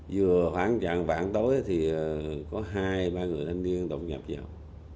vừa khoảng trạng vạn tối thì có hai ba người thanh niên tổng nhập vào